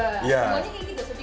semuanya kayak gitu